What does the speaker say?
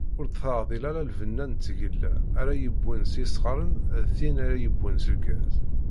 Ur d-teɛdil ara lbenna n tgella ara yewwen s yisɣaren d tin ara yewwen s lgaz.